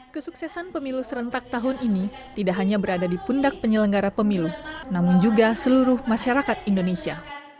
kesuksesan pemilu serentak tahun ini tidak hanya berada di pundak penyelenggara pemilu namun juga seluruh masyarakat indonesia